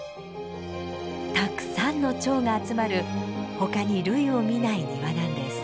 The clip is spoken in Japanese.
たくさんのチョウが集まる他に類を見ない庭なんです。